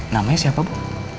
namanya siapa bu